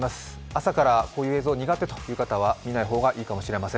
朝からこういう映像、苦手という方は見ない方がいかもしれません。